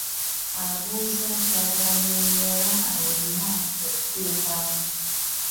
Abuuza ky’aba annyonnyola olina okufifaako.